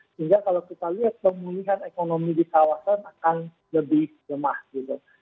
sehingga kalau kita lihat pemulihan ekonomi di kawasan akan lebih lemah gitu